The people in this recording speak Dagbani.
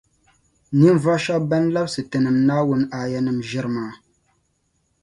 Ninvuɣu shεba ban labsi Tinim’ Naawuni aayanim’ ʒiri maa .